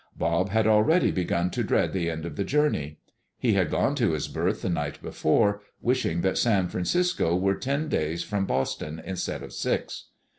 Bob had already begun to dread the end of the journey. He had gone to his berth the night before, wishing that San Francisco were ten days from Boston, instead of six.